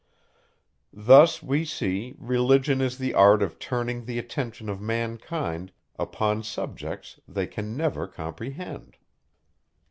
Thus, we see, religion is the art of turning the attention of mankind upon subjects they can never comprehend.